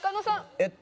えっと